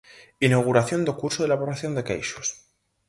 Inauguración do Curso de Elaboración de Queixos.